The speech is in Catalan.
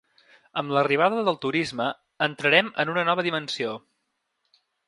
Amb l’arribada del turisme, entrarem en una nova dimensió.